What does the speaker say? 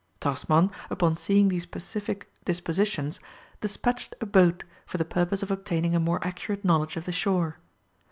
Tasman, upon seeing these pacific dispositions, despatched a boat for the purpose of obtaining a more accurate knowledge of the shore.